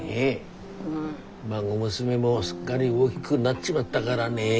孫娘もすっかり大きぐなっちまったからね。